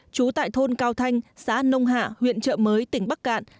trú tại thôn cao thanh xã nông hạ huyện trợ mới tỉnh bắc cạn